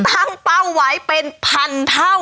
ตั้งเป้าไว้เป็นพันเท่า